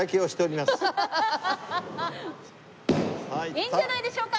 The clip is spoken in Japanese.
いいんじゃないでしょうか。